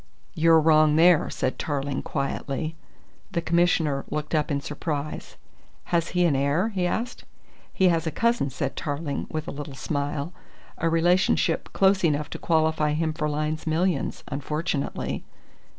"You're wrong there," said Tarling quietly. The Commissioner looked up in surprise. "Has he an heir?" he asked. "He has a cousin," said Tarling with a little smile, "a relationship close enough to qualify him for Lyne's millions, unfortunately."